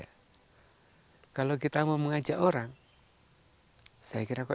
saya kira masalah tantangan tinggal kemauan siapapun yang mau tantangan tidak ada